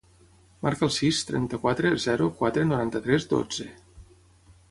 Marca el sis, trenta-quatre, zero, quatre, noranta-tres, dotze.